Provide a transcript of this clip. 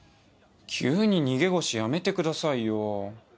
急に逃げ腰やめてくださいよ。